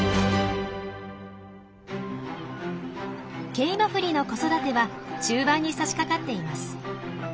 ケイマフリの子育ては中盤にさしかかっています。